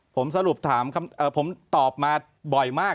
ผมสรุปถามผมตอบมาบ่อยมาก